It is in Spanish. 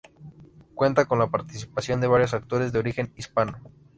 Cuenta con la participación de varios actores de origen hispano.